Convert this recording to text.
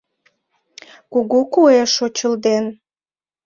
Кугу куэ шочылден.